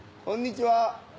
こんにちは。